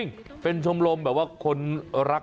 ยืนยันว่าม่อข้าวมาแกงลิงทั้งสองชนิด